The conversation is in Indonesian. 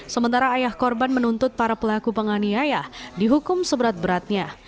sementara ayah korban menuntut para pelaku penganiaya dihukum seberat beratnya